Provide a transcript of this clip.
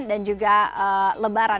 dan juga lebaran